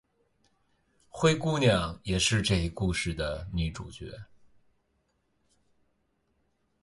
灰姑娘也是这一故事的女主角。